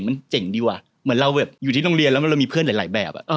มันเจ๋งดีว่ะเหมือนเราแบบอยู่ที่โรงเรียนแล้วเรามีเพื่อนหลายแบบ